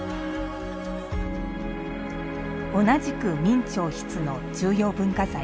同じく明兆筆の重要文化財